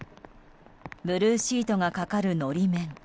ブルーシートがかかる法面。